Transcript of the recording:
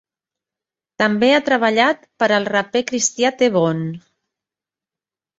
També ha treballat per al raper cristià T-Bone.